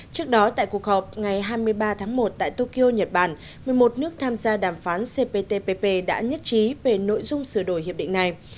trước đó tại cuộc họp ngày hai mươi ba tháng một tại tokyo nhật bản một mươi một nước tham gia đàm phán cptpp đã nhất trí về nội dung sửa đổi hiệp định này